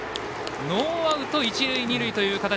ノーアウト、一塁二塁という形。